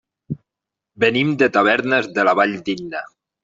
Venim de Tavernes de la Valldigna.